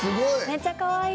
めっちゃかわいい。